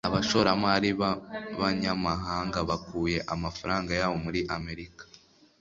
abashoramari b'abanyamahanga bakuye amafaranga yabo muri amerika